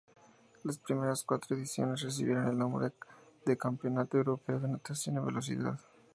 Las primeras cuatro ediciones recibieron el nombre de Campeonato Europeo de Natación en Velocidad.